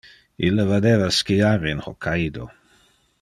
Ille vadeva skiar in Hokkaido.